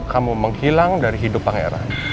kamu menghilang dari hidup pangeran